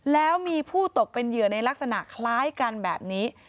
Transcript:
แล้วมีผู้ตกเป็นเหยื่อในลักษณะคล้ายกันแบบนี้